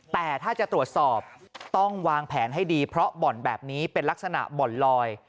แต่ถ้าจะตรวจสอบต้องวางแผนให้ดีเพราะบ่อนแบบนี้เป็นลักษณะบ่อนลอย